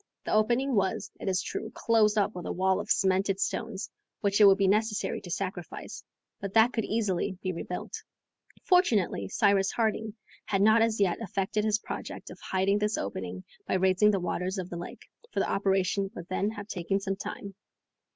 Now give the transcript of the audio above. The opening was, it is true, closed up with a wall of cemented stones, which it would be necessary to sacrifice, but that could easily be rebuilt. Fortunately, Cyrus Harding had not as yet effected his project of hiding this opening by raising the waters of the lake, for the operation would then have taken some time.